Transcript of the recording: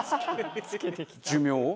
寿命を？